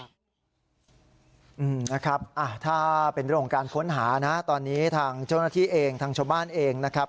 นะครับถ้าเป็นเรื่องของการค้นหานะตอนนี้ทางเจ้าหน้าที่เองทางชาวบ้านเองนะครับ